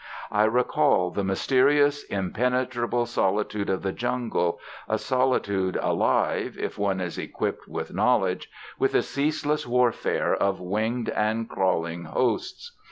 I recall the mysterious impenetrable solitude of the jungle, a solitude alive, if one is equipped with knowledge, with a ceaseless warfare of winged and crawling hosts.